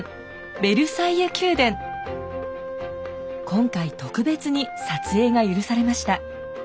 今回特別に撮影が許されました。